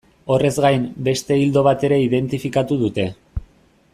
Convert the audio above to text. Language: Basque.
Horrez gain, beste ildo bat ere identifikatu dute.